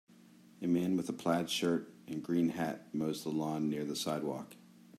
A man with a plaid shirt and green hat mows the lawn near the sidewalk.